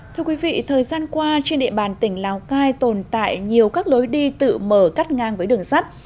thưa quý vị thời gian qua trên địa bàn tỉnh lào cai tồn tại nhiều các lối đi tự mở cắt ngang với đường sắt